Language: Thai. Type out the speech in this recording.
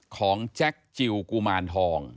แจ็คจิลกุมารทอง